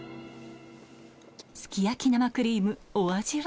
すき焼き生クリームお味は？